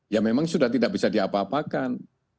ya memang sudah tidak bisa diapa apakan